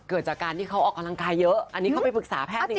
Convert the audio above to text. เกิดจากการที่เขาออกกำลังกายเยอะอันนี้เขาไปปรึกษาแพทย์จริง